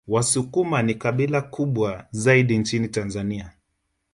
Wasukuma ni kabila kubwa zaidi nchini Tanzania